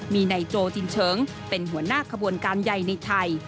มีนายโจจินเฉิงเป็นหัวหน้าขบวนการใหญ่ในไทย